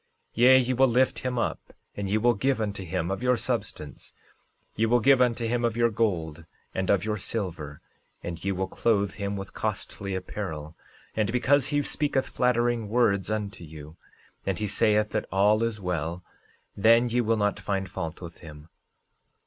13:28 Yea, ye will lift him up, and ye will give unto him of your substance; ye will give unto him of your gold, and of your silver, and ye will clothe him with costly apparel; and because he speaketh flattering words unto you, and he saith that all is well, then ye will not find fault with him.